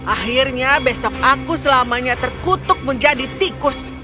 akhirnya besok aku selamanya terkutuk menjadi tikus